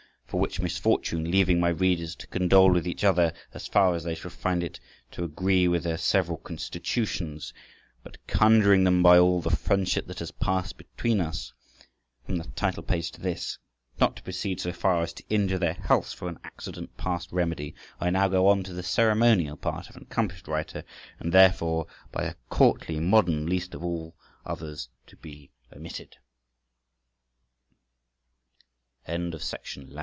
For which misfortune, leaving my readers to condole with each other as far as they shall find it to agree with their several constitutions, but conjuring them by all the friendship that has passed between us, from the title page to this, not to proceed so far as to injure their healths for an accident past remedy, I now go on to the ceremonial part of an accomplished writer, and therefore by a courtly modern least of all others to be omitted.